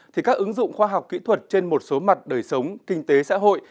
thì các ứng dụng khoa học kỹ thuật trên một số mặt đời sống kinh tế xã hội